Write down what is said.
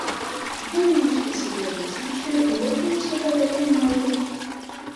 Яны нешта сабе вызначылі і рухаюцца да гэтай мэты.